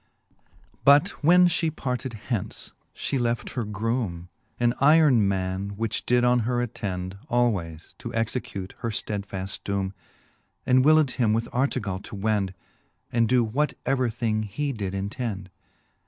XII. But when fhe parted hence, fhe left her groome An yron man, which did on her attend Alwayes, to execute her ftedfaft doome. And willed him with Artegall to wend, And doe what ever thing he did intend.